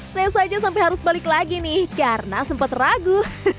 saya saja sampai harus balik lagi nih karena sempat ragu